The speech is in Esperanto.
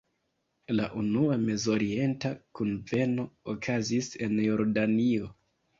La unua Mezorienta kunveno okazis en Jordanio.